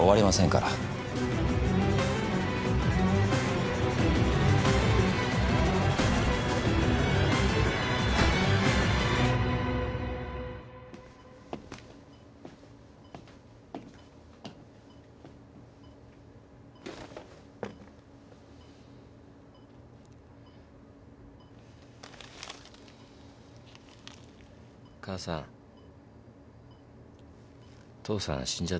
母さん父さん死んじゃったよ。